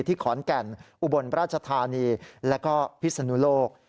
ที่ขอนแก่นอุบลราชธานีแล้วก็พิศนุโลก